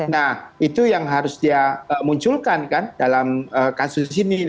nah itu yang harus dia munculkan kan dalam kasus ini